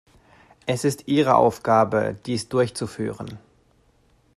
Es ist ihre Aufgabe, dies durchzuführen.